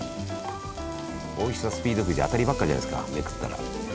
おいしさスピードくじ当たりばっかじゃないですかめくったら。